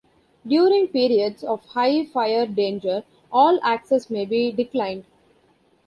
During periods of high fire danger all access may be declined.